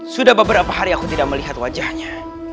sudah beberapa hari aku tidak melihat wajahnya